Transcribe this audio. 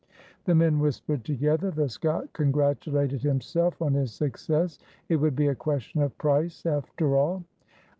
The men whispered together. The Scot congratulated himself on his success; it would be a question of price, after all.